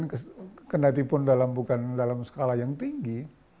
dan kena tipun dalam bukan dalam skala yang tinggi